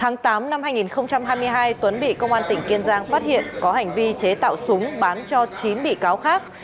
ngày tám hai nghìn hai mươi hai tuấn bị công an tỉnh kiên giang phát hiện có hành vi chế tạo súng bán cho chín bị cáo khác